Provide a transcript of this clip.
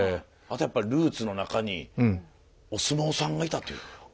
あとやっぱルーツの中にお相撲さんがいたという。